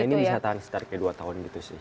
nah ini bisa tahan sekitar kayak dua tahun gitu sih